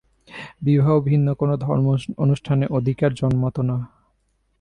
বিবাহ ভিন্ন কোন ধর্মানুষ্ঠানে অধিকার জন্মাত না।